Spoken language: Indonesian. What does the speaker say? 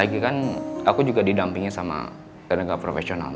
lagi kan aku juga didampingi sama tenaga profesional